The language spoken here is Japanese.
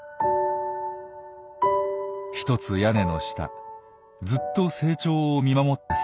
一つ屋根の下ずっと成長を見守ってきた